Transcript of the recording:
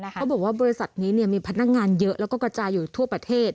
เขาบอกว่าบริษัทนี้มีพนักงานเยอะแล้วก็กระจายอยู่ทั่วประเทศ